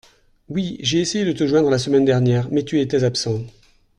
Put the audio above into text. Oui, j'ai essayé de te joindre la semaine dernière, mais tu étais absent.